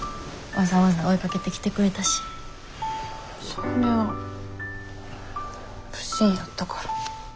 それは不審やったから。